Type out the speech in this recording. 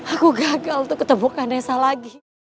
aku gagal untuk ketemu kanesa lagi